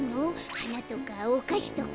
はなとかおかしとか。